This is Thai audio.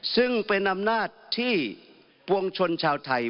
ซึ่งเป็นอำนาจที่ปวงชนชาวไทย